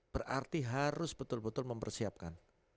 berarti harus betul betul mempersiapkan